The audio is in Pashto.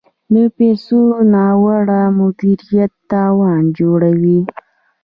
د پیسو ناوړه مدیریت تاوان جوړوي.